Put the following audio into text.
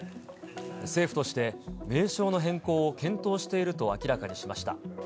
政府として名称の変更を検討していると明らかにしました。